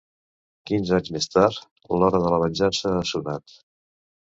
Quinze anys més tard, l'hora de la venjança ha sonat.